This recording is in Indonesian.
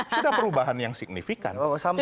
sudah perubahan yang signifikan